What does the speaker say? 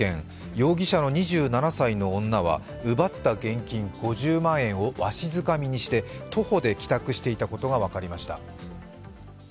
容疑者の２７歳の女は奪った現金５０万円をわしづかみにして徒歩で帰宅していたことが分かりました。